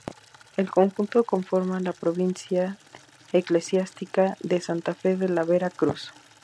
El conjunto conforma la provincia eclesiástica de Santa Fe de la Vera Cruz.